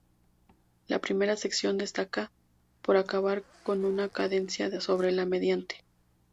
La primera sección destaca por acabar con una cadencia sobre la mediante.